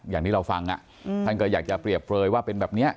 อย่างที่เราฟังท่านก็อยากจะเปรียบเปลยว่าเป็นแบบนี้